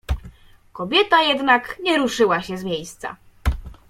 "Kobieta jednak nie ruszyła się z miejsca."